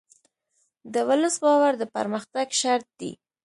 د ولس باور د پرمختګ شرط دی.